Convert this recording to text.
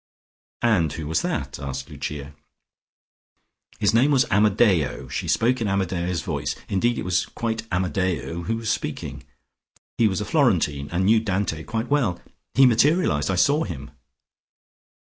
"And who was that?" asked Lucia. "His name was Amadeo. She spoke in Amadeo's voice, indeed it was Amadeo who was speaking. He was a Florentine and knew Dante quite well. He materialised; I saw him."